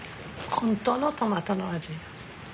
本当のトマトの味。